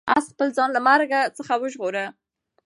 آس خپل ځان له مرګ څخه وژغوره.